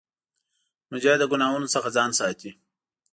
مجاهد د ګناهونو څخه ځان ساتي.